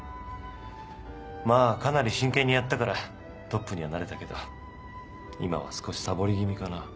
まあかなり真剣にやったからトップにはなれたけど今は少しサボり気味かな。